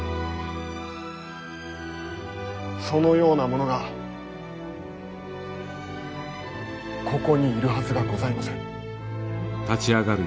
そのような者がここにいるはずがございません。